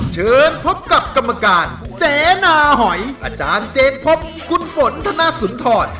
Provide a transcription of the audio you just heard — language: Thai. เชิญพบกับกรรมการเสนาหอยอาจารย์เจนพบคุณฝนธนสุนทร